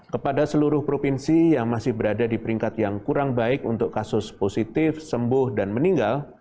kepada seluruh provinsi yang masih berada di peringkat yang kurang baik untuk kasus positif sembuh dan meninggal